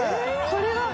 これが。